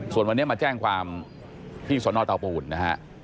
ส่วนวันนี้มาแจ้งความพี่สนตาวประหุ่นนะฮะ